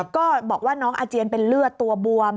ก็บอกว่าน้องอาเจียนเป็นเลือดตัวบวม